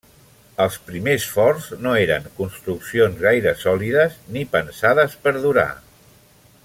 Els primers forts no eren construccions gaire sòlides, ni pensades per durar.